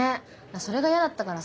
それが嫌だったからさ